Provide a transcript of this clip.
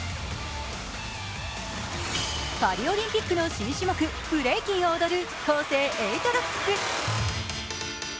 パリオリンピックの新種目ブレイキンを踊るＫＯＳＥ８